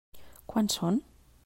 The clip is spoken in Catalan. Quants són?